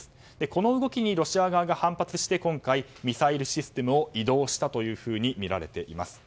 この動きにロシア側が反発してミサイルシステムを移動したとみられています。